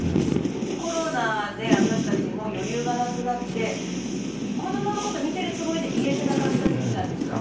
コロナで私たちも余裕がなくなって子どものこと見てるつもりで見えてなかった時期なんですよね